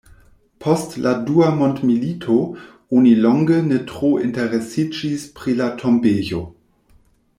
Post la Dua mondmilito oni longe ne tro interesiĝis pri la tombejo.